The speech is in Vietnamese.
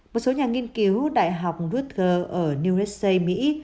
một số nhà nghiên cứu đại học rutger ở new jersey mỹ